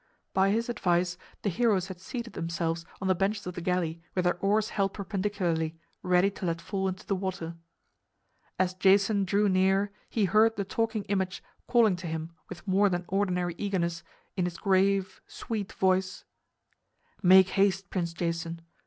By his advice the heroes had seated themselves on the benches of the galley, with their oars held perpendicularly, ready to let fall into the water. As Jason drew near he heard the Talking Image calling to him with more than ordinary eagerness, in its grave, sweet voice: "Make haste, Prince Jason!